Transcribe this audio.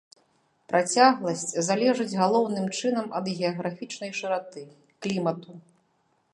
Працягласць залежыць галоўным чынам ад геаграфічнай шыраты, клімату.